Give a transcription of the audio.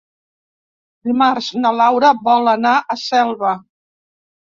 Dimarts na Laura vol anar a Selva.